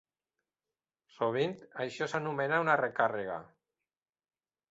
Sovint, això s'anomena una "recàrrega".